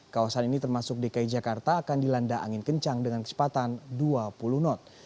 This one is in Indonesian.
kawasan ini termasuk dki jakarta akan dilanda angin kencang dengan kecepatan dua puluh knot